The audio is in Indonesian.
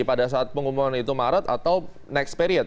pada saat pengumuman itu maret atau next period